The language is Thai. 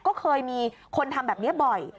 ก็เคยมีคนทำแบบนี้บ่อย